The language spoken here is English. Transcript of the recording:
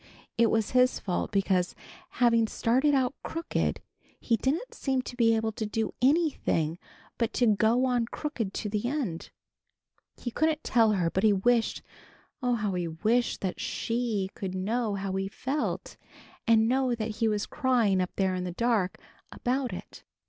It was his fault because, having started out crooked, he didn't seem to be able to do anything but to go on crooked to the end. He couldn't tell her, but he wished, oh, how he wished, that She could know how he felt, and know that he was crying up there in the dark about it.